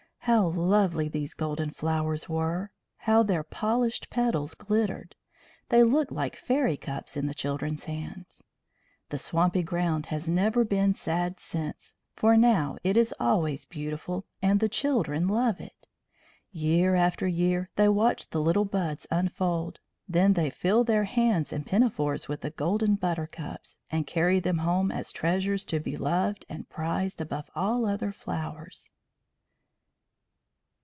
How lovely these golden flowers were! How their polished petals glittered! They looked like fairy cups in the children's hands. The swampy ground has never been sad since, for now it is always beautiful, and the children love it. Year after year they watch the little buds unfold; then they fill their hands and pinafores with the golden buttercups, and carry them home as treasures to be loved and prized above all other flowers.